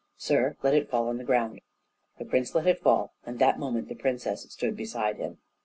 "Sir, let it fall on the ground." The prince let it fall and that moment the princess stood beside him.